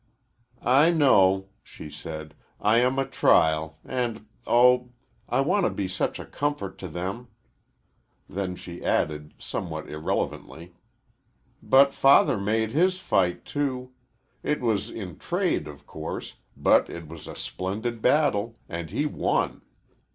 "I know," she said, "I am a trial, and, oh, I want to be such a comfort to them!" Then she added, somewhat irrelevantly, "But Father made his fight, too. It was in trade, of course, but it was a splendid battle, and he won.